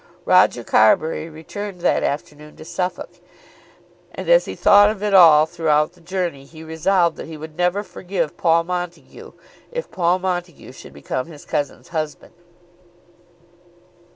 Roger Carbury returned that afternoon to Suffolk, and as he thought of it all throughout the journey, he resolved that he would never forgive Paul Montague if Paul Montague should become his cousin's husband.